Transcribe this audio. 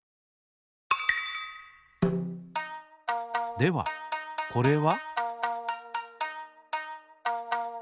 ではこれは？